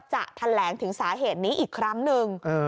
จะแถลงถึงสาเหตุนี้อีกครั้งหนึ่ง